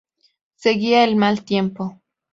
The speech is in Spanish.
Seguía el mal tiempo.